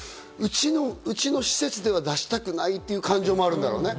うちの施設では出したくないという感情もあるんだろうね。